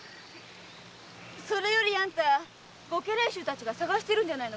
それよりご家来衆たちが捜してるんじゃないかい？